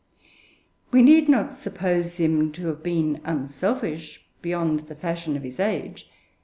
We need not suppose him to have been unselfish beyond the fashion of his age.